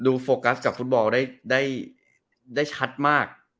โฟกัสกับฟุตบอลได้ชัดมาก